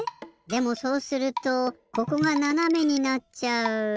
でもそうするとここがななめになっちゃう。